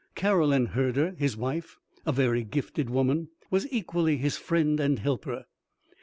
Caroline Herder, his wife, a very gifted woman, was equally his friend and helper.